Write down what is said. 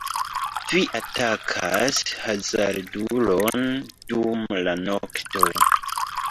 Vi atakas hazardulon dum la nokto.